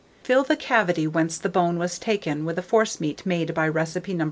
Fill the cavity whence the bone was taken with a forcemeat made by recipe No.